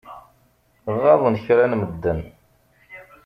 Ɣaḍen kra n medden.